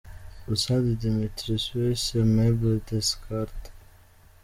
Bussard Dimitri – Suisse Meubles Descartes “”